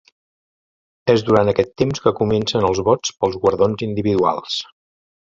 És durant aquest temps que comencen els vots pels guardons individuals.